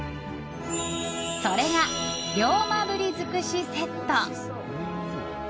それが、龍馬鰤尽くしセット。